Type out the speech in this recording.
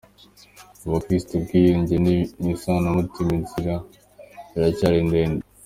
Mu Bakirisitu ubwiyunge n’isanamitima inzira iracyari ndende